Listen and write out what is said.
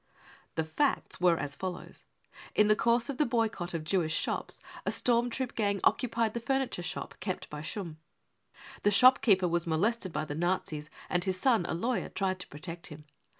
(The facts were as follows : In the course of the boycott of Jewish shops a storm troop gang occupied the furniture shop kept by Schumm. The shopkeeper was molested by the Nazis, and his son, a lawyer, tried to protect him.